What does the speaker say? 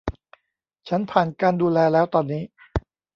ฉันผ่านการดูแลแล้วตอนนี้